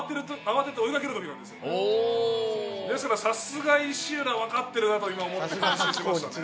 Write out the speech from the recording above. ですからさすが石浦分かってるなと今思って感心しましたね。